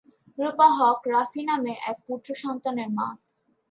রূপা হক রাফি নামে এক পুত্র সন্তানের মা।